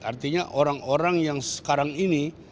artinya orang orang yang sekarang ini